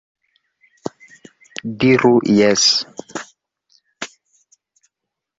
Diru "jes!"